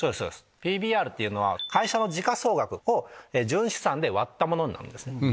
ＰＢＲっていうのは会社の時価総額を純資産で割ったものなんですね。